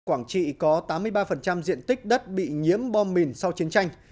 quảng trị có tám mươi ba diện tích đất bị nhiễm bom mìn sau chiến tranh